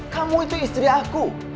kamu itu istri aku